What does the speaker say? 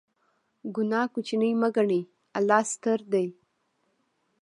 ګناه کوچنۍ مه ګڼئ، الله ستر دی.